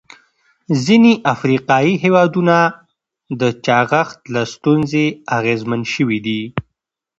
ځینې افریقایي هېوادونه د چاغښت له ستونزې اغېزمن شوي دي.